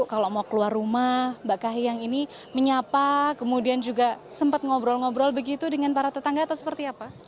kalau mau keluar rumah mbak kahiyang ini menyapa kemudian juga sempat ngobrol ngobrol begitu dengan para tetangga atau seperti apa